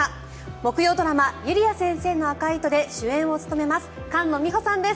木曜ドラマ「ゆりあ先生の赤い糸」で主演を務めます菅野美穂さんです。